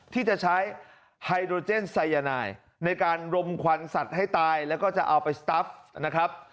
ที่จะใช้ไฮโดรเจนไซยานายในการรมควันสัตว์ให้ตายแล้วก็จะเอาไปสตัฟนะครับ